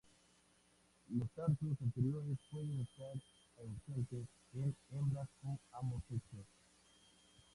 Los tarsos anteriores pueden estar ausentes en hembras o ambos sexos.